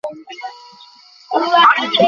তুমি আমাকে গুলি করলা।